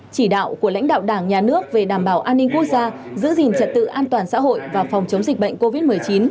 chỉ đạo của lãnh đạo đảng nhà nước về đảm bảo an ninh quốc gia giữ gìn trật tự an toàn xã hội và phòng chống dịch bệnh covid một mươi chín